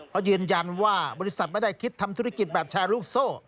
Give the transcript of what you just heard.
เขายืนยันว่าบริษัทไม่ได้คิดทำธุรกิจแบบแชร์ลูกโซ่